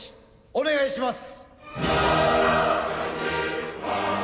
お願いします。